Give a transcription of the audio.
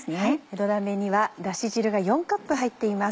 土鍋にはダシ汁が４カップ入っています。